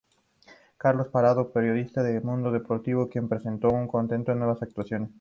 Carlos Pardo, periodista del Mundo Deportivo, quien presenció y comentó nuestras actuaciones.